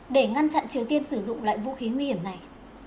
để ngăn chặn triều tiên sử dụng loại vũ khí nguy hiểm này